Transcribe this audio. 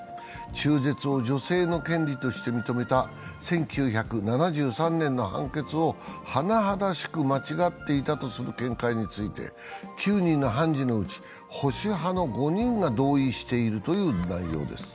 中絶を女性の権利として認めた１９７３年の判決を甚だしく間違っていたとする見解について保守派の５人が同意しているという内容です。